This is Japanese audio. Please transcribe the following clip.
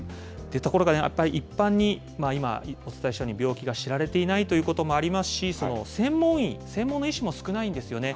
ところがね、やっぱり一般に、今お伝えしたように、病気が知られていないということもありますし、専門医、専門の医師も少ないんですよね。